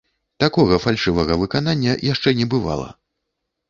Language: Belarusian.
Такога фальшывага выканання яшчэ не бывала.